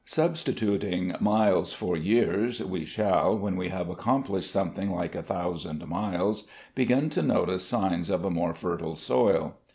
Substituting miles for years, we shall, when we have accomplished something like a thousand miles, begin to notice signs of a more fertile soil.